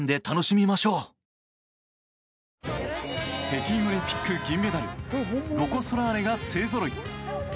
北京オリンピック銀メダルロコ・ソラーレが勢ぞろい。